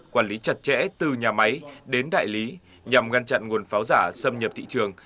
quản lý chặt chẽ từ nhà máy đến đại lý nhằm ngăn chặn nguồn pháo giả xâm nhập thị trường